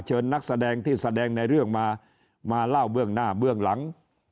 นักแสดงที่แสดงในเรื่องมามาเล่าเบื้องหน้าเบื้องหลัง